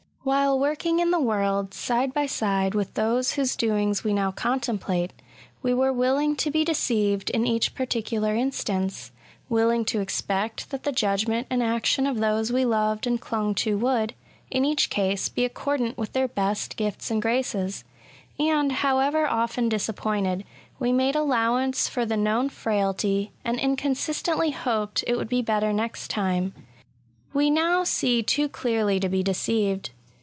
While working in the world, side by side with those whose doings we now contemplate, we were willing to be deceived in each particular instance ; SOME PERILS AND PAINS OF INVALIDISM. 185 willing to expect that the judgment and action of those we loved and clung to would^ in each case^ be accordant with their best gifts and graces; and, however often disappointed^ we made allowance for the known frailty, and inconsistently hoped it would be better next time, We now see too clearly to be deceived.